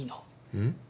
うん？